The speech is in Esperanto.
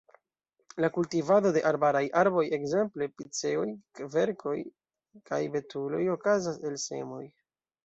La kultivado de arbaraj arboj, ekzemple piceoj, kverkoj kaj betuloj, okazas el semoj.